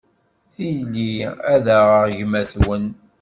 Tili ad aɣeɣ gma-twen.